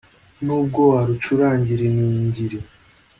Nubwo warucurangira iningiri